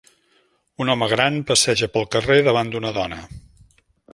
Un home gran passeja pel carrer davant d'una dona.